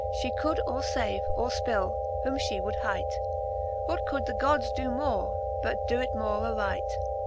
She could or fave, or fpill, whom fhe would hight. What could the Gods doe more, but doe it more aright